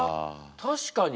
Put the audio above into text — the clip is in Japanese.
確かに。